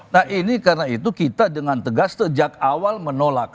nah ini karena itu kita dengan tegas sejak awal menolak